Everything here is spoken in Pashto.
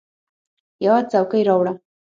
یوه څوکۍ راوړه !